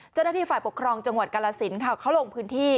เจ้าหน้าที่ฝ่ายปกครองจังหวัดกาลสินค่ะเขาลงพื้นที่